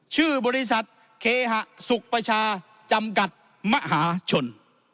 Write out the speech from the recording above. ชื่อบริษัทเคหะสุขประชาจำกัดมหาชน